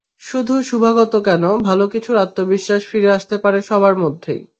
শুধু শুভাগত কেন, ভালো কিছুর আত্মবিশ্বাস ফিরে আসতে পারে সবার মধ্যেই।